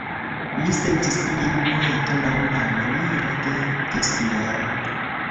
Mi sentis min poeto laŭ la maniero de Gessner.